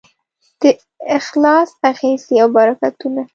د اخلاص اغېزې او برکتونه